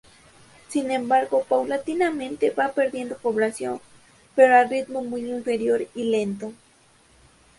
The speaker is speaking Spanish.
Sin embargo, paulatinamente va perdiendo población, pero a un ritmo muy inferior y lento.